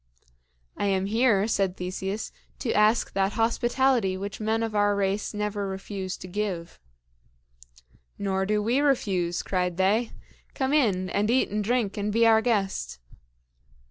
"I am here," said Theseus, "to ask that hospitality which men of our race never refuse to give." "Nor do we refuse," cried they. "Come in, and eat and drink and be our guest."